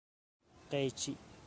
قیچی